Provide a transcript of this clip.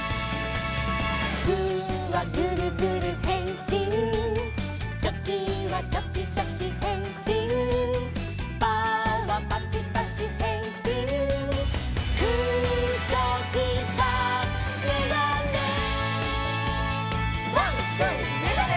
「グーはグルグルへんしん」「チョキはチョキチョキへんしん」「パーはパチパチへんしん」「グーチョキパーめがね」「ワンツーめがね！」